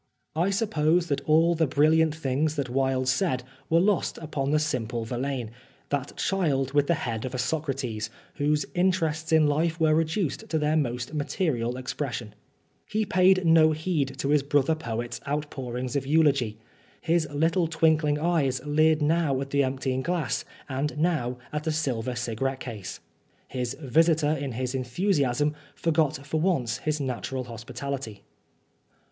I suppose that all the brilliant things that Wilde said were lost upon the simple Verlaine, that child with the head of a Socrates, whose interests in life were reduced to their most material expression. Oscar Wilde He paid no heed to his brother poet's out pourings of eulogy. His little twinkling eyes leered now at the emptying glass and now at the silver cigarette case. His visitor, in his enthusiasm, forgot for once his natural hospitality.